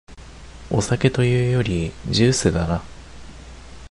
お酒というよりジュースだな